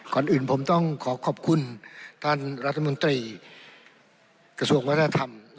ก่อนอื่นผมต้องขอขอบคุณท่านรัฐมนตรีกระทรวงวัฒนธรรม